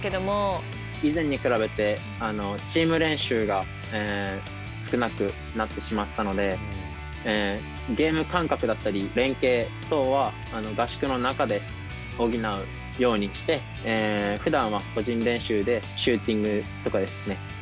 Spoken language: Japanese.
以前に比べてチーム練習が少なくなってしまったのでゲーム感覚だったり連携等は合宿の中で補うようにしてふだんは個人練習でシューティングとかですね